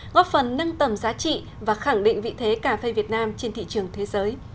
góp phần nâng tầm giá trị và khẳng định vị thế cà phê việt nam trên thị trường thế giới